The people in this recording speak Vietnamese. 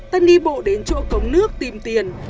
tân đi bộ đến chỗ cống nước tìm tiền